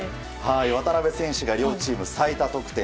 渡邊選手が両チーム最多得点。